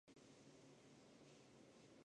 窦氏是大司空窦融的曾孙女。